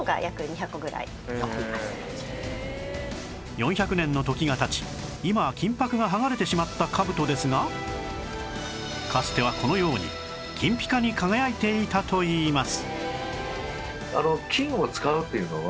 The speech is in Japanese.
４００年の時が経ち今は金箔が剥がれてしまった兜ですがかつてはこのように金ピカに輝いていたといいます